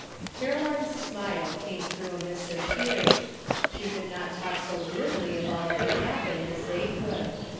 Caroline's smile came through a mist of tears. She could not talk so glibly of all that had hap pened as they could.